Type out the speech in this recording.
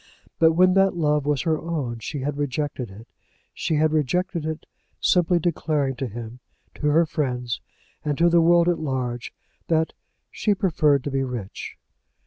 But when that love was her own she had rejected it. She had rejected it, simply declaring to him, to her friends, and to the world at large, that she preferred to be rich.